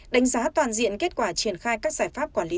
đánh giá toàn diện kết quả triển khai các giải pháp quản lý